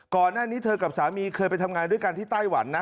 ก่อนหน้านี้เธอกับสามีเคยไปทำงานด้วยกันที่ไต้หวันนะ